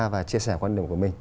và chia sẻ quan điểm của mình